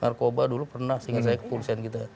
narkoba dulu pernah sehingga saya kepolisian gitu